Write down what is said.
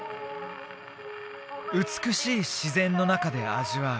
美しい自然の中で味わう